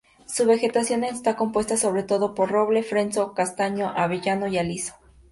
Su vegetación está compuesta sobre todo por roble, fresno, castaño, avellano y aliso.